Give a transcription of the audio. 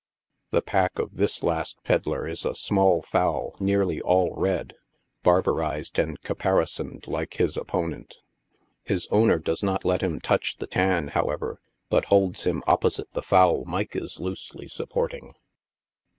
The pack of this last pedlar is a small fowl nearly all red, barberized and caparisoned like his opponent. His owner does not let him touch the tan, however, but holds him opposite the fowl Mike is A COCK PIT. 23 loosely supporting.